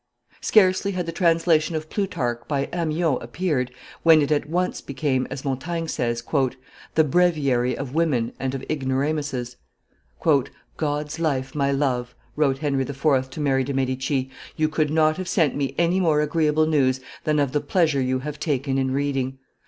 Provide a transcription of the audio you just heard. Scarcely had the translation of Plutarch by Amyot appeared, when it at once became, as Montaigne says, "the breviary of women and of ignoramuses." "God's life, my love," wrote Henry IV. to Mary de' Medici, "you could not have sent me any more agreeable news than of the pleasure you have taken in reading.